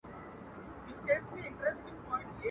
ډیري مو په هیله د شبقدر شوګیرۍ کړي.